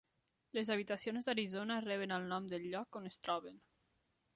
Les habitacions d'Arizona reben al nom del lloc on es troben.